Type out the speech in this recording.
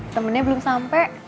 temennya belum sampe